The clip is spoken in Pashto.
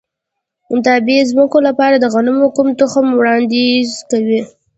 د ابي ځمکو لپاره د غنمو کوم تخم وړاندیز کوئ؟